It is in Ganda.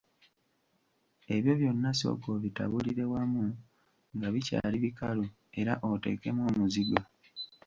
Ebyo byonna sooka obitabulire wamu nga bikyali bikalu, era oteekemu omuzigo.